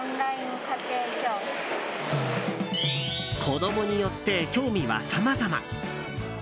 子供によって、興味はさまざま。